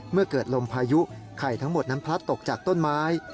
เมื่อเกิดลมพายุไข่ทั้งหมดนั้นพลัดตกจากต้นไม้